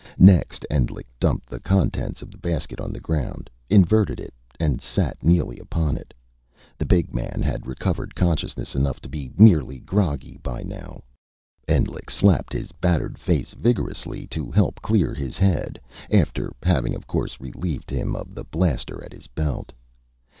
Next, Endlich dumped the contents of the basket on the ground, inverted it, and sat Neely upon it. The big man had recovered consciousness enough to be merely groggy by now. Endlich slapped his battered face vigorously, to help clear his head after having, of course, relieved him of the blaster at his belt.